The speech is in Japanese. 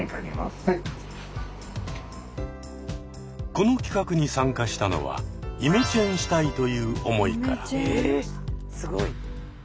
この企画に参加したのは「イメチェンしたい」という思いから。